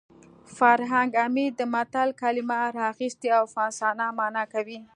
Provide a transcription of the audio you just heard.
فرهنګ عمید د متل کلمه راخیستې او افسانه مانا کوي